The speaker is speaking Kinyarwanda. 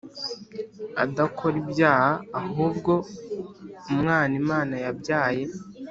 adakora ibyaha ahubwo Umwana Imana yabyaye